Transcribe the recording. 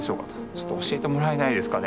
ちょっと教えてもらえないですかね」と。